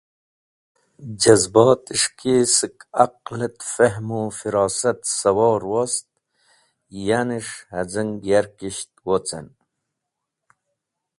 Jazbat es̃h ki sẽk aqal et Fehm u Firosat sawor wost, yanes̃h Haz̃ing yarkish wocen.